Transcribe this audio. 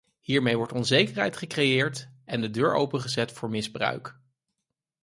Hiermee wordt onzekerheid gecreëerd en de deur opengezet voor misbruik.